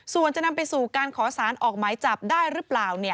ส่วนจะนำไปสู่การขอสารออกหมายจับได้หรือเปล่า